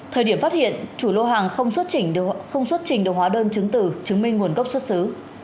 thời điểm phát hiện chủ lô hàng không xuất trình được hóa đơn chứng từ chứng minh nguồn gốc xuất xứ